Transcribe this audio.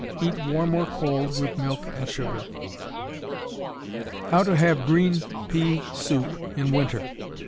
Eat warm or cold with milk and sugar. _How to Have Green Pea Soup in Winter.